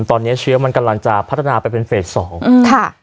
ตอนนี้เชื้อมันกำลังจะพัฒนาไปเป็นเฟสสองอืมค่ะ